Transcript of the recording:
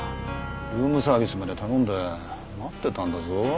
ルームサービスまで頼んで待ってたんだぞ。